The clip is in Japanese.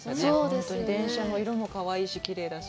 本当に電車も、色もかわいいし、きれいだし。